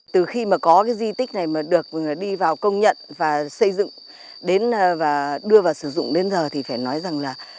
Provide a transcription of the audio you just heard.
từ khi mà có cái di tích này mà được đi vào công nhận và xây dựng đến và đưa vào sử dụng đến giờ thì phải nói rằng là